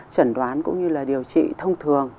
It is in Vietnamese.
chẩn đoán cũng như là điều trị thông thường